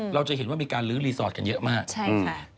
เราจะเห็นว่ามีการลื้อรีสอร์ทกันเยอะมากใช่ค่ะ